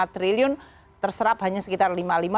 dua puluh lima triliun terserap hanya sekitar lima puluh lima